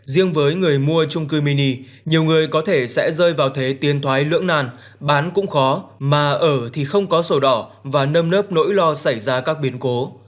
riêng với người mua trung cư mini nhiều người có thể sẽ rơi vào thế tiền thoái lưỡng nàn bán cũng khó mà ở thì không có sổ đỏ và nâm nớp nỗi lo xảy ra các biến cố